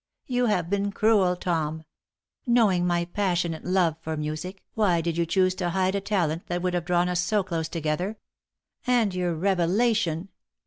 "You have been cruel, Tom! Knowing my passionate love for music, why did you choose to hide a talent that would have drawn us so close together? And your revelation!